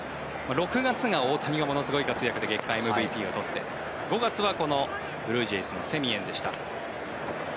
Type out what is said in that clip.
６月が大谷がものすごい活躍で月間ＭＶＰを取って５月はこのブルージェイズのセミエンでした。